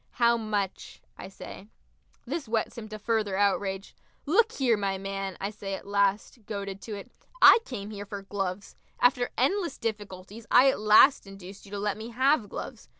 "How much?" I say. This whets him to further outrage. "Look here, my man!" I say at last, goaded to it, "I came here for gloves. After endless difficulties I at last induced you to let me have gloves.